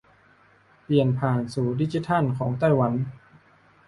เปลี่ยนผ่านสู่ดิจิทัลของไต้หวัน